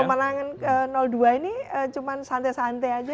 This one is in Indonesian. kemenangan ke dua ini cuma santai santai aja